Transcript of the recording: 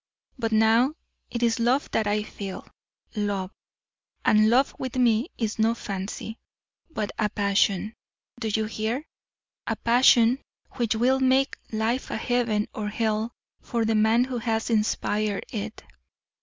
But now it is love that I feel, love; and love with me is no fancy, but a passion do you hear? a passion which will make life a heaven or hell for the man who has inspired it.